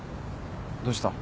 どうした？